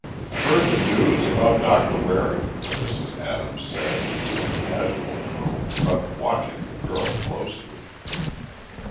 "Heard the news about Doctor Waring?" Mrs. Adams said, in a casual tone, but watching the girl closely.